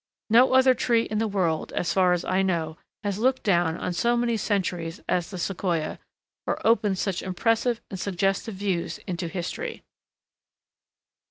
No other tree in the world, as far as I know, has looked down on so many centuries as the Sequoia, or opens such impressive and suggestive views into history.